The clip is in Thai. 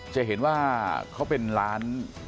จะเห็นว่าเขาเป็นร้าน